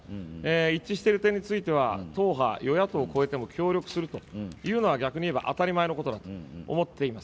一致している点については党派、与野党を超えて協力するというのが逆に言えば当たり前のことだと思っております。